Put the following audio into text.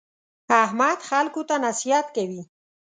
احمد خلکو ته نصیحت کوي.